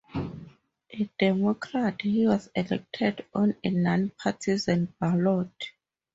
A Democrat, he was elected on a non-partisan ballot.